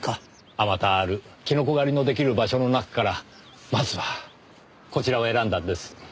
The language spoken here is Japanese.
数多あるキノコ狩りの出来る場所の中からまずはこちらを選んだんです。